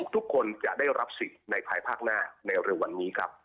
ทุกคนจะได้รับสิทธิ์ในภายภาคหน้าในเร็ววันนี้ครับ